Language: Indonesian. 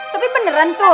tapi beneran tuh